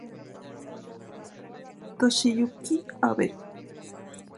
Toshiyuki Abe